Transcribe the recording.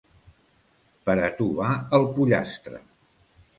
Per a tu va el pollastre!